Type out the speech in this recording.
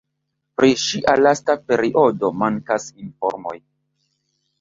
Pri ŝia lasta periodo mankas informoj.